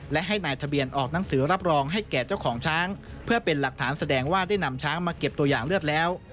และให้นายทะเบียนออกหนังสือรับรองให้แก่เจ้าของช้างเพื่อเป็นหลักฐานแสดงว่าได้นำช้างมาเก็บตัวอย่างเลือดแล้ว